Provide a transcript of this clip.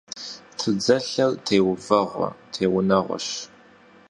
Тудзэлъэр теувэгъуэ теунэгъуэщ.